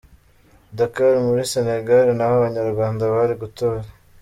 Dakar muri Senegal naho Abanyarwanda bari gutor.